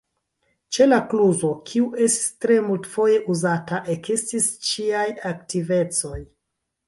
Ĉe la kluzo, kiu estis tre multfoje uzata, ekestis ĉiaj aktivecoj.